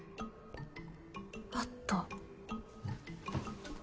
あった。